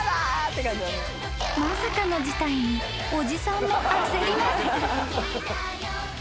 ［まさかの事態におじさんも焦ります］